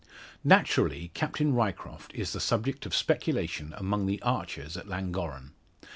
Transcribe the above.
Naturally, Captain Ryecroft is the subject of speculation among the archers at Llangorren.